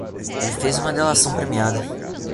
Ele fez uma delação premiada